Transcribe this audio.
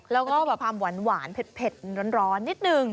แล้วก็แบบความหวานเผ็ดร้อนนิดนึง